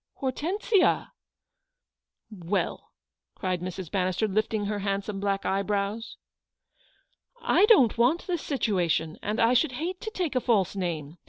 " Hortensia !"" Well !" cried Mrs. Bannister, lifting her hand some black eyebrows. " I don't want this situation, and I should hate to take a false name.